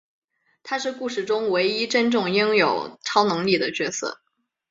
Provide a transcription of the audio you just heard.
他是故事中唯一真正拥有超能力的角色。